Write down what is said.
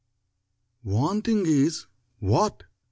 '" WANTING IS WHAT?